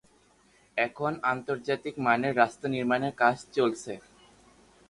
এখন আন্তর্জাতিক মানের রাস্তা নির্মাণের কাজ চলছে।